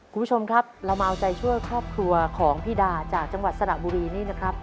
คุณผู้ชมครับเรามาเอาใจช่วยครอบครัวของพี่ดาจากจังหวัดสระบุรีนี่นะครับ